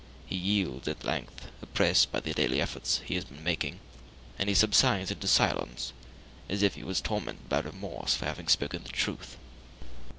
He yields at length, oppressed by the daily efforts he has been making, and he subsides into silence, as if he was tormented by remorse for having spoken the truth.